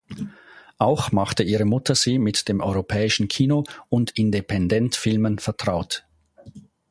Auch machte ihre Mutter sie mit dem europäischen Kino und Independentfilmen vertraut.